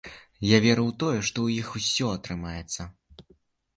Я веру ў тое, што ў іх усё атрымаецца.